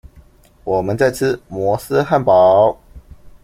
我們在吃摩斯漢堡